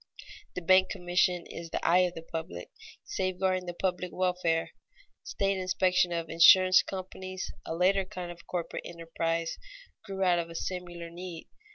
The bank commission is the eye of the public, safeguarding the public welfare. State inspection of insurance companies, a later kind of corporate enterprise, grew out of a similar need.